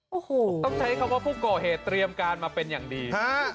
โอ้โหต้องใช้คำว่าผู้ก่อเหตุเตรียมการมาเป็นอย่างดี